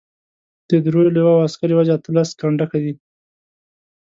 د دریو لواوو عسکر یوازې اته لس کنډکه دي.